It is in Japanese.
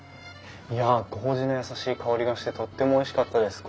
いや麹の優しい香りがしてとってもおいしかったです。